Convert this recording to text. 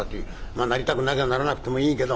「まぁなりたくなきゃならなくてもいいけど。